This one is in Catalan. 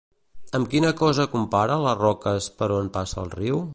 Amb quina cosa compara les roques per on passa el riu?